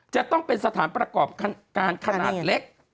จะต้องเป็นสถานประกอบการขนาดเล็ก